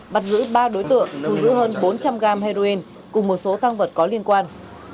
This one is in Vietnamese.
bắt giữ ba đối tượng thu giữ hơn bốn trăm linh g heroin cùng một số tăng vật có liên quan